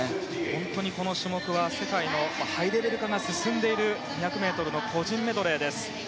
本当にこの種目は世界のハイレベル化が進んでいる２００ｍの個人メドレーです。